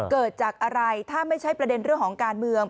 เกิดจากอะไรถ้าไม่ใช่ประเด็นเรื่องของการเมือง